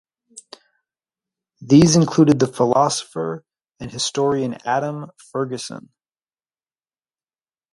These included the philosopher and historian Adam Ferguson.